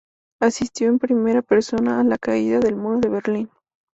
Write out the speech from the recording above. Asistió en primera persona a la Caída del Muro de Berlín.